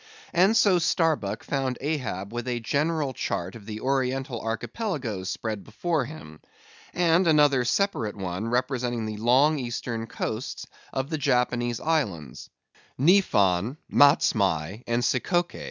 And so Starbuck found Ahab with a general chart of the oriental archipelagoes spread before him; and another separate one representing the long eastern coasts of the Japanese islands—Niphon, Matsmai, and Sikoke.